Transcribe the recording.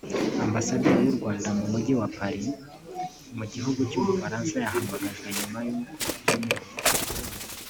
Ambasaderi w’u Rwanda mu mujyi wa Paris mu gihugu cy’u Bufaransa yahamagajwe nyuma y’uko Gen